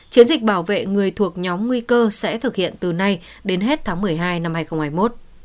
chiến dịch bảo vệ người thuộc nhóm nguy cơ sẽ thực hiện từ nay đến hết tháng một mươi hai năm hai nghìn hai mươi một